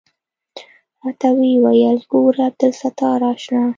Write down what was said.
راته ويې ويل ګوره عبدالستاره اشنا.